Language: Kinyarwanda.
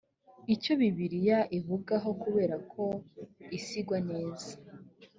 icyo bibiliya ib ugaho kubera ko isi igwaneza